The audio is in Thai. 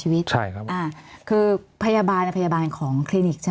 มีความรู้สึกว่ามีความรู้สึกว่ามีความรู้สึกว่า